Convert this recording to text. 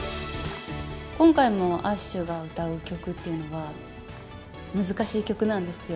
今回もアッシュが歌う曲っていうのは、難しい曲なんですよ。